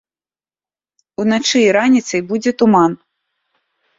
Уначы і раніцай будзе туман.